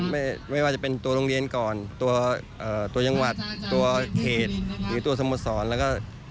ไม่ไม่ว่าจะเป็นตัวโรงเรียนก่อนตัวจังหวัดตัวเขตหรือตัวสโมสรแล้วก็